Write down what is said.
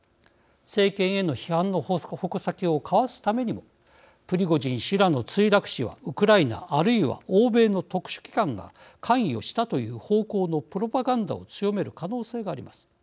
政権への批判の矛先をかわすためにもプリゴジン氏らの墜落死はウクライナあるいは欧米の特殊機関が関与したという方向のプロパガンダを強める可能性があります。